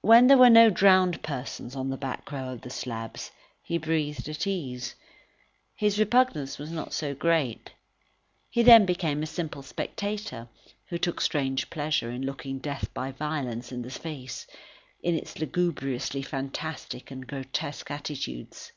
When there were no drowned persons on the back row of slabs, he breathed at ease; his repugnance was not so great. He then became a simple spectator, who took strange pleasure in looking death by violence in the face, in its lugubriously fantastic and grotesque attitudes.